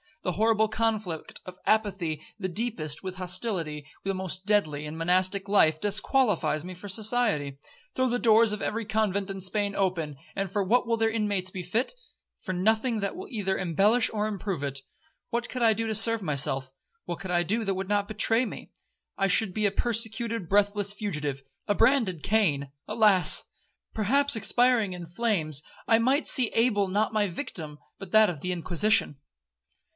The horrible conflict of apathy the deepest, with hostility the most deadly, in monastic life, disqualifies me for society. Throw the doors of every convent in Spain open, and for what will their inmates be fit? For nothing that will either embellish or improve it. What could I do to serve myself?—what could I do that would not betray me? I should be a persecuted, breathless fugitive,—a branded Cain. Alas!—perhaps expiring in flames, I might see Abel not my victim, but that of the Inquisition.'